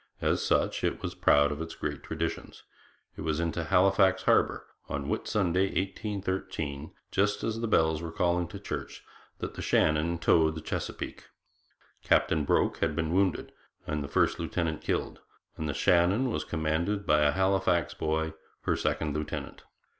As such it was proud of its great traditions. It was into Halifax Harbour, on Whitsunday 1813, just as the bells were calling to church, that the Shannon towed the Chesapeake. Captain Broke had been wounded and the first lieutenant killed, and the Shannon was commanded by a Halifax boy, her second lieutenant.